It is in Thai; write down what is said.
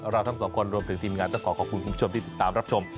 เราทั้งสองคนรวมถึงทีมงานต้องขอขอบคุณคุณผู้ชมที่ติดตามรับชม